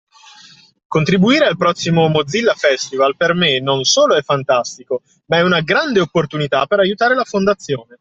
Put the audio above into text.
Contribuire al prossimo Mozilla Festival per me non solo è fantastico, ma è una grande opportunità per aiutare la Fondazione